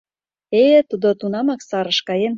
Э-э, тудо тунамак сарыш каен.